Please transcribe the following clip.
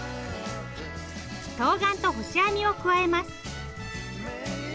とうがんと干しあみを加えます。